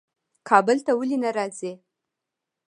کابل ته ولي نه راځې؟